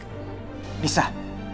kamu jangan terlalu keras